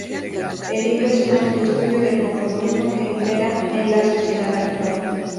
El libro es un amplio estudio del conformismo que impera en la sociedad actual.